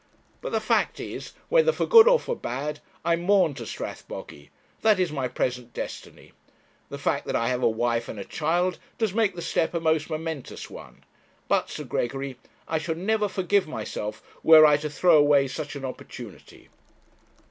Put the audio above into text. But the fact is, whether for good or for bad, I maun to Strathbogy. That is my present destiny. The fact that I have a wife and a child does make the step a most momentous one. But, Sir Gregory, I should never forgive myself were I to throw away such an opportunity.'